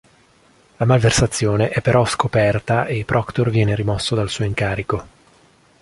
La malversazione è però scoperta e Proctor viene rimosso dal suo incarico.